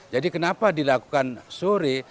jadi kenapa dilakukan sore